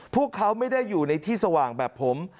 พวกเขาไม่ได้อยู่ในที่สว่างแบบผม